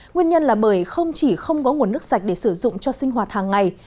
nguyên nhân là bởi không chỉ không có nguồn nước sạch để sử dụng cho sinh hoạt hàng ngày